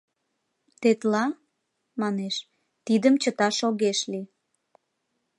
Тетла, — манеш, — тидым чыташ огеш лий!